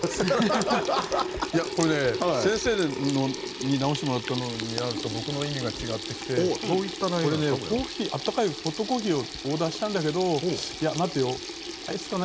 これね先生に直してもらったのになると僕の意味が違ってきてこれね温かいホットコーヒーをオーダーしたんだけど「いや待てよアイスかな？